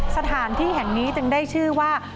สถานที่แห่งนี้จึงได้ชื่อว่า